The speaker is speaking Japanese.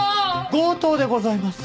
強盗でございます。